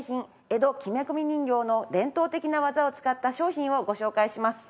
江戸木目込人形の伝統的な技を使った商品をご紹介します。